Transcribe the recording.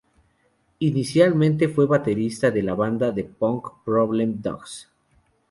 Inicialmente fue baterista de la banda de punk Problem Dogs.